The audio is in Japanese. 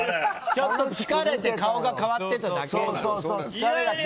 ちょっと疲れて顔が変わってただけや。